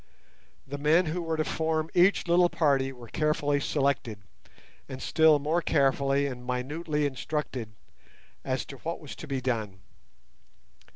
The men who were to form each little party were carefully selected, and still more carefully and minutely instructed as to what was to be done.